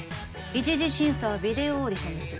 一次審査はビデオオーディションです